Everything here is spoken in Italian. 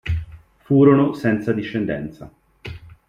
Furono senza discendenza.